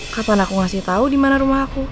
kapan aku ngasih tahu di mana rumah aku